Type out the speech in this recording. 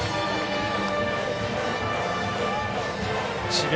智弁